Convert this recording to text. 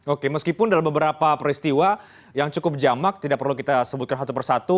oke meskipun dalam beberapa peristiwa yang cukup jamak tidak perlu kita sebutkan satu persatu